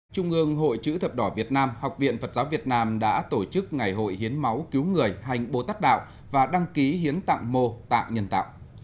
trung ương hội chữ thập đỏ việt nam học viện phật giáo việt nam đã tổ chức ngày hội hiến máu cứu người hành bồ tát đạo và đăng ký hiến tặng mô tạng nhân tạo